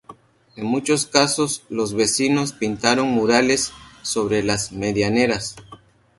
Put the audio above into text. En muchos casos, los vecinos pintaron murales sobre las medianeras.